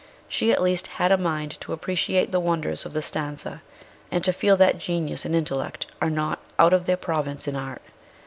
She, at least, had a mind to appreciate the wonders of the Stanze, and to feel that genius and intellect are not out of their province in art.